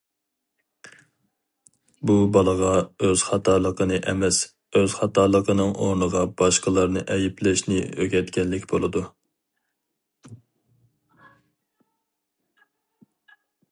بۇ بالىغا ئۆز خاتالىقىنى ئەمەس، ئۆز خاتالىقىنىڭ ئورنىغا باشقىلارنى ئەيىبلەشنى ئۆگەتكەنلىك بولىدۇ.